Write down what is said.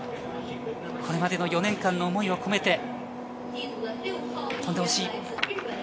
これまでの４年間の思いを込めて、飛んでほしい。